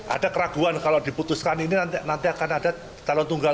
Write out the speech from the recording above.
ada keraguan kalau diputuskan ini nanti akan ada calon tunggal